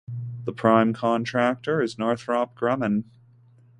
The prime contractor is Northrop Grumman.